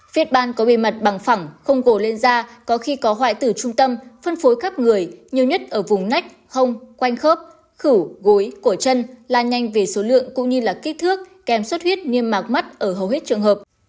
phết ban có bề mặt bằng phẳng không gồ lên da có khi có hoại tử trung tâm phân phối khắp người nhiều nhất ở vùng nách không quanh khớp khử gối cổ chân lan nhanh về số lượng cũng như là kích thước kèm suốt huyết niêm mạc mắt ở hầu hết trường hợp